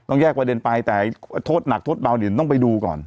แยกประเด็นไปแต่โทษหนักโทษเบาเนี่ยต้องไปดูก่อน